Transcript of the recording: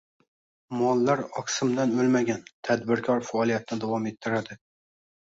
Mollar oqsimdan o‘lmagan, tadbirkor faoliyatni davom ettiradi